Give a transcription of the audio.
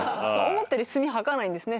思ったより墨吐かないんですね。